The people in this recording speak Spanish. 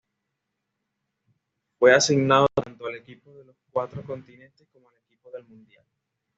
Fue asignado tanto al equipo de los Cuatro Continentes como al equipo del Mundial.